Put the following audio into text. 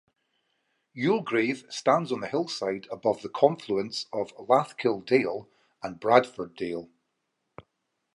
Youlgrave stands on the hillside above the confluence of Lathkill Dale and Bradford Dale.